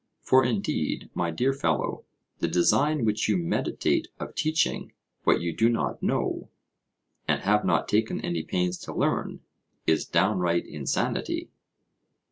For indeed, my dear fellow, the design which you meditate of teaching what you do not know, and have not taken any pains to learn, is downright insanity.